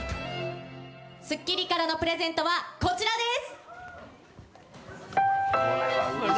『スッキリ』からのプレゼントはこちらです！